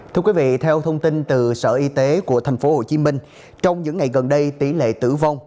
thưa quý vị theo thông tin từ sở y tế của tp hcm trong những ngày gần đây tỷ lệ tử vong